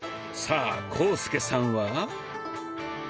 さあ浩介さんは？